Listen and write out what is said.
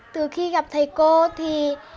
từ khi gặp thầy cô thì